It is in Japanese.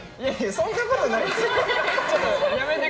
そんなことないです。